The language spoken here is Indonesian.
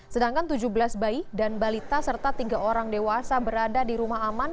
sedangkan tujuh belas bayi dan balita serta tiga orang dewasa berada di rumah aman